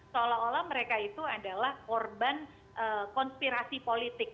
seolah olah mereka itu adalah korban konspirasi politik